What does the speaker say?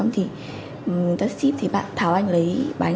thì bạn thảo anh lấy bánh